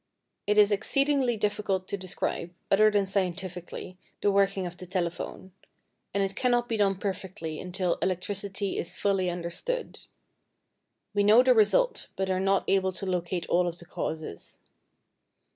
It is exceedingly difficult to describe, other than scientifically, the working of the telephone; and it cannot be done perfectly until electricity is fully understood. We know the result, but are not able to locate all of the causes.